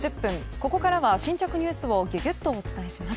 ここからは新着ニュースをギュギュッとお伝えします。